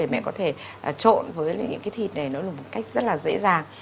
để mẹ có thể trộn với những cái thịt này nó là một cách rất là dễ dàng